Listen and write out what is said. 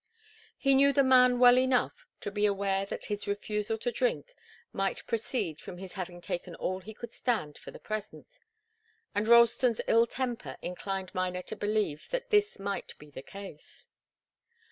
He knew the man well enough to be aware that his refusal to drink might proceed from his having taken all he could stand for the present, and Ralston's ill temper inclined Miner to believe that this might be the case.